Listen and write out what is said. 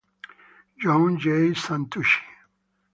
John J. Santucci.